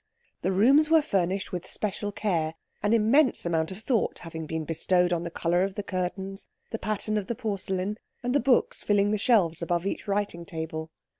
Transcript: The rooms were furnished with special care, an immense amount of thought having been bestowed on the colour of the curtains, the pattern of the porcelain, and the books filling the shelves above each writing table.